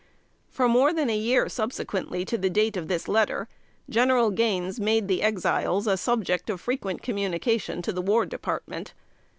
For more than a year subsequently to the date of this letter, General Gaines made the Exiles a subject of frequent communication to the War Department.